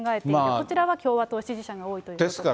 こちらは共和党支持者に多いということです。